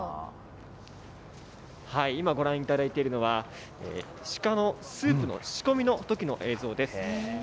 今ご覧いただいているのは、鹿のスープの仕込みのときの映像です。